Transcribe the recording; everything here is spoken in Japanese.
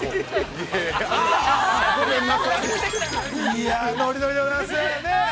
◆いや、乗り乗りでございますね。